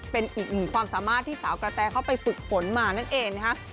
เป็นอีกหนึ่งความสามารถที่สาวกระแตเข้าไปฝึกฝนมานั่นเองนะคะ